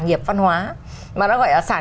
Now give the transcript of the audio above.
nghiệp văn hóa mà nó gọi là sản